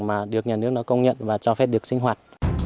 mà được nhà nước nó công nhận và cho phép được sinh hoạt